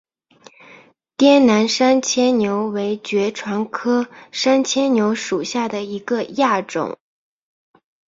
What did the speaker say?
滇南山牵牛为爵床科山牵牛属下的一个亚种。